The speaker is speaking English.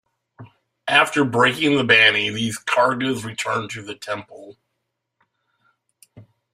After breaking the Banni, these karagas return to the temples.